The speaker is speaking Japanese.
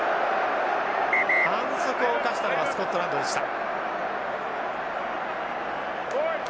反則を犯したのはスコットランドでした。